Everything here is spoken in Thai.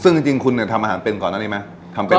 ซึ่งจริงคุณทำอาหารเป็นก่อนอันนี้ไหม